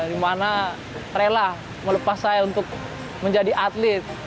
di mana rela melepas saya untuk menjadi atlet